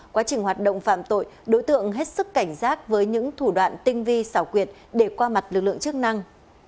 quá trình hoạt động phạm tội đối tượng hết sức cảnh giác với những thủ đoạn tinh vi xảo quyệt để qua mặt lực lượng chức năng